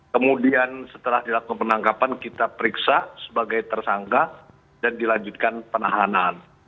kemudian setelah dilakukan penangkapan kita periksa sebagai tersangka dan dilanjutkan penahanan